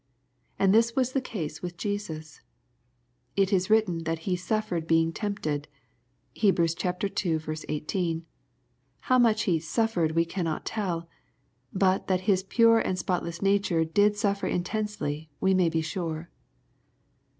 And this was the case with Jesus. It is written that He suffered being tempted." (Heb. iL 18.) How much He " suffered, we cannot telL But that His pure and spotless nature did suffer intensely, we may be sure.